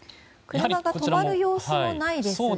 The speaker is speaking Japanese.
車が止まる様子もないですね。